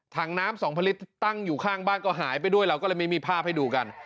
ถังน้ำสองผลิตตั้งอยู่ข้างบ้านก็หายไปด้วยเราก็เลยไม่มีภาพให้ดูกัน